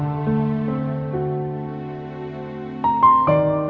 aku gak bisa tidur semalaman